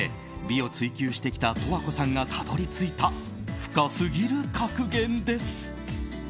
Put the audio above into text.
美を追求してきた十和子さんがたどり着いた深すぎる格言です。